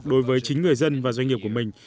đối với chính người dân và doanh nghiệp của mình